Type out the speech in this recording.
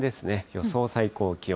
予想最高気温。